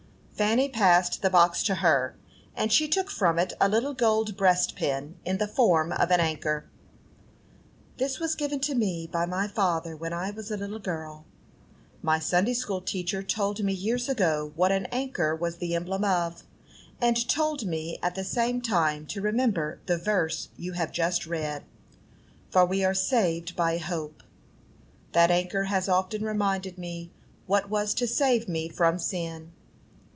Fanny passed the box to her, and she took from it a little gold breastpin, in the form of an anchor. "This was given to me by my father when I was a little girl. My Sunday school teacher told me years ago what an anchor was the emblem of, and told me at the same time to remember the verse you have just read 'For we are saved by hope.' That anchor has often reminded me what was to save me from sin.